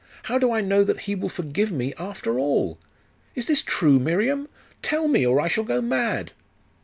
How do I know that He will forgive me after all? Is this true, Miriam? Tell me, or I shall go mad!